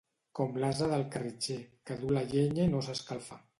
Com l'ase del carritxer, que du la llenya i no s'escalfa.